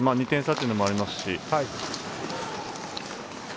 ２点差というのもありますし。